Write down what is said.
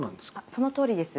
そのとおりです。